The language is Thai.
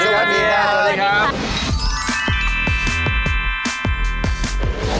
สวัสดีครับ